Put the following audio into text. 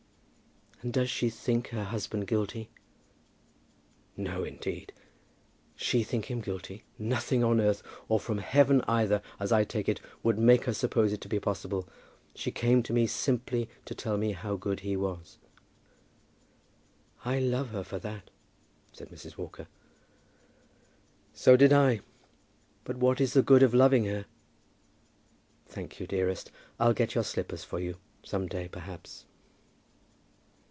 "And does she think her husband guilty?" "No, indeed. She think him guilty! Nothing on earth, or from heaven either, as I take it, would make her suppose it to be possible. She came to me simply to tell me how good he was." "I love her for that," said Mrs. Walker. "So did I. But what is the good of loving her? Thank you, dearest. I'll get your slippers for you some day, perhaps."